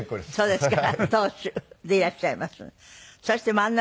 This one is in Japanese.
そうですか。